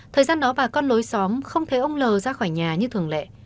thời gian đó và con lối xóm không thấy ông l ra khỏi nhà như thường lệ